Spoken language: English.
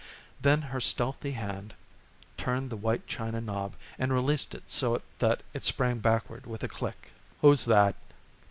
Then her stealthy hand turned the white china knob and released it so that it sprang backward with a click. "Who's that?"